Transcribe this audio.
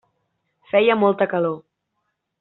Feia molta calor.